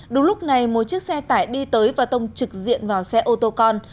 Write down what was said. đúng lúc này một chiếc xe tải đi tới và tông trực diện vào xe ô tô con